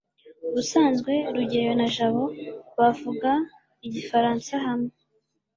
ubusanzwe rugeyo na jabo bavuga igifaransa hamwe